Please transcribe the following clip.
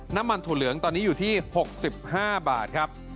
ถั่วเหลืองตอนนี้อยู่ที่๖๕บาทครับ